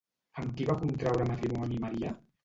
Amb qui va contraure matrimoni Maria?